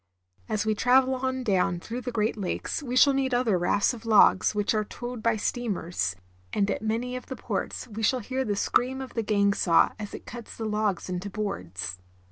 As we travel on down through the Great Lakes we shall meet other rafts of logs, which are towed by steamers ; and at many of the ports we shall hear the scream of the gang saw as it cuts the logs into boards.